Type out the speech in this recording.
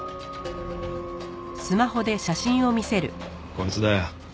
こいつだよ。